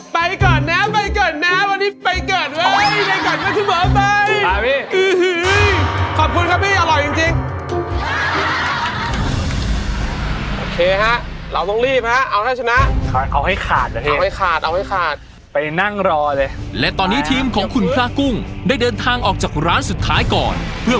ไปเกิดนะไปเกิดนะฮะวันนี้ไปเกิดเว้ย